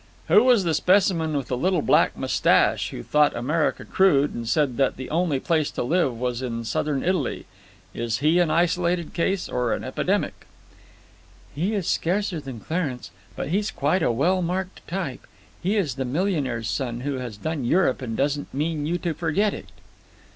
"Who was the specimen with the little black moustache who thought America crude and said that the only place to live in was southern Italy? Is he an isolated case or an epidemic?" "He is scarcer than Clarence, but he's quite a well marked type. He is the millionaire's son who has done Europe and doesn't mean you to forget it."